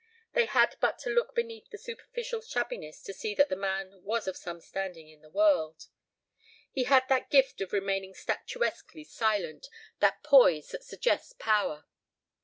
They had but to look beneath the superficial shabbiness to see that the man was of some standing in the world. He had that gift of remaining statuesquely silent, that poise that suggests power.